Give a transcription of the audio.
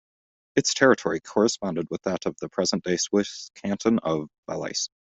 Its territory corresponded with that of the present-day Swiss canton of Valais.